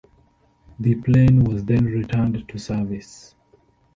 The plane was then returned to service.